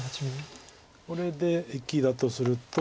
これで生きだとすると。